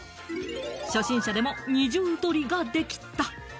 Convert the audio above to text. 初心者でも２重取りができた。